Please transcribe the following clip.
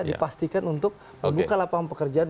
dipastikan untuk membuka lapangan pekerjaan